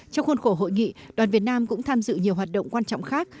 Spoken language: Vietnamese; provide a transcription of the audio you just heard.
trong khuôn khổ hội nghị đoàn việt nam cũng tham dự nhiều hoạt động quan trọng khác